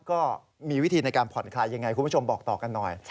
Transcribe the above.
ก็มีวิธีในการผ่อนคลายยังไงคุณผู้ชมบอกต่อกันหน่อย